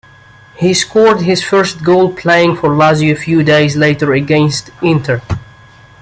He scored his first goal playing for Lazio a few days later against Inter.